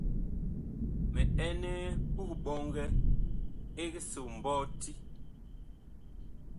Mi ɛnɛɛ puh ɓɔngɛ ɛg so mɓɔti.